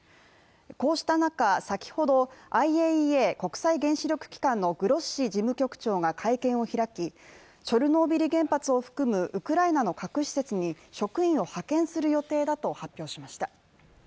こうした中、先ほどＩＡＥＡ＝国際原子力機関のグロッシ事務局長が会見を開き、チョルノービリ原発を含むウクライナの核施設に職員を派遣する予定だと発表しました。